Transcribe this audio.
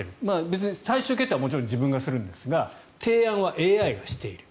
別に最終決定はもちろん自分がするんですが提案はＡＩがしている。